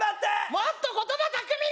もっと言葉巧みに！